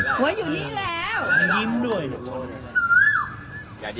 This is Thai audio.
กดที่อยู่ในซวร์ต